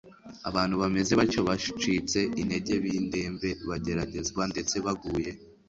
Abantu bameze batyo, bacitse intege b'indembe, bageragezwa ndetse baguye,